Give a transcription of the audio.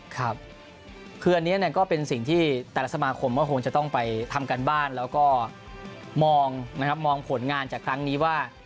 ครับคืออันนี้ก็เป็นสิ่งที่แต่ละสมาคมก็คงจะต้องไปทำการบ้านแล้วก็มองนะครับมองผลงานจากครั้งนี้ว่า